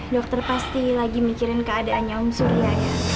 dokter pasti lagi mikirin keadaannya om surya ya